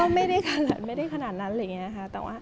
พอว่าไม่ได้ให้เต็มเต็มดูแลแต่ก็ไม่ได้ขนาดนั้นเลยค่ะ